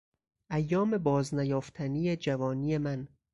ایام باز نیافتنی جوانی من!